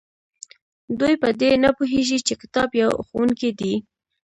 دوی په دې نه پوهیږي چې کتاب یو ښوونکی دی.